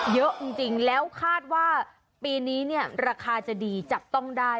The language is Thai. เยอะจริงแล้วคาดว่าปีนี้เนี่ยราคาจะดีจับต้องได้